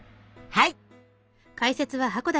はい！